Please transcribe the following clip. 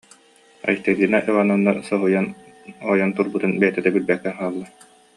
Айталина Ивановна соһуйан ойон турбутун бэйэтэ да билбэккэ хаалла